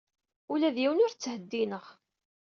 Ula d yiwen ur t-ttheddineɣ.